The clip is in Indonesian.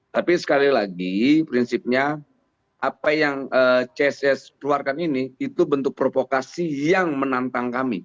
tapi sekali lagi prinsipnya apa yang ccs keluarkan ini itu bentuk provokasi yang menantang kami